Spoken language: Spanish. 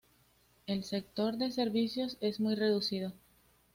El sector de servicios es muy reducido.